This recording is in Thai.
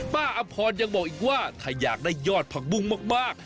อำพรยังบอกอีกว่าถ้าอยากได้ยอดผักบุ้งมาก